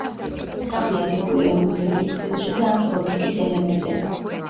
სახლი აგებულია მოდერნის სტილში და აქვს გოთიკის ელემენტები.